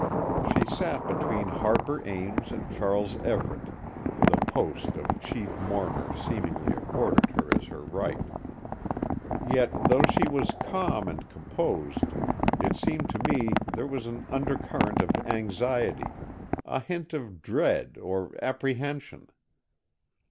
She sat between Harper Ames and Charles Everett, the post of chief mourner seemingly accorded her as her right. Yet though she was calm and composed, it seemed to me there was an undercurrent of anxiety, a hint of dread or apprehension.